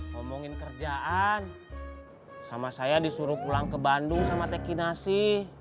ngomongin kerjaan sama saya disuruh pulang ke bandung sama teki nasi